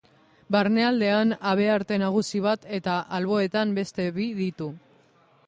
Barnealdean habearte nagusi bat eta alboetan beste bi ditu.